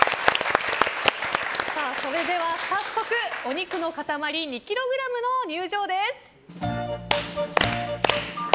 それでは早速お肉の塊２ｋｇの入場です。